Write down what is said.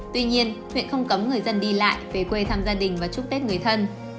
tuy nhiên huyện không cấm người dân đi lại về quê thăm gia đình và chúc tết người thân